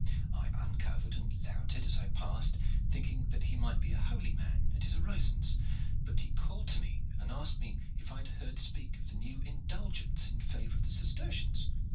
I uncovered and louted as I passed thinking that he might be a holy man at his orisons, but he called to me and asked me if I had heard speak of the new indulgence in favor of the Cistercians.